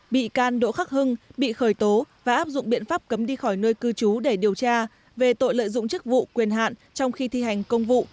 bị can đỗ khắc hưng bị khởi tố và áp dụng biện pháp cấm đi khỏi nơi cư trú để điều tra về tội lợi dụng chức vụ quyền hạn trong khi thi hành công vụ